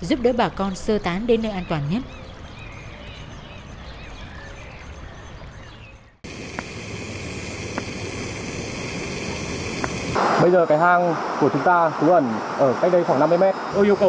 giúp đỡ đồng bào ta và giúp đỡ đồng bào ta